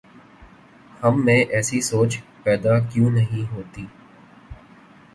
ہم میں ایسی سوچ پیدا کیوں نہیں ہوتی؟